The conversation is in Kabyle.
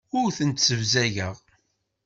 Ur tent-ssebzageɣ.